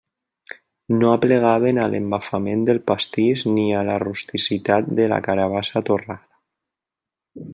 No aplegaven a l'embafament del pastís, ni a la rusticitat de la carabassa torrada.